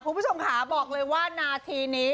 คุณผู้ชมค่ะบอกเลยว่านาทีนี้